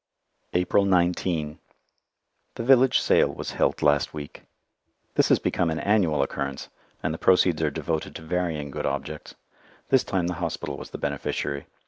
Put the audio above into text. April 19 The village sale was held last week. This has become an annual occurrence, and the proceeds are devoted to varying good objects. This time the hospital was the beneficiary.